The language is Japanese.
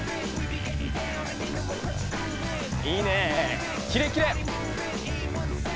いいねキレキレ！